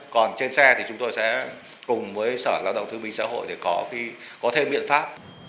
còn trên xe thì chúng tôi sẽ cùng với sở lao động thương minh xã hội để có khi có thêm biện pháp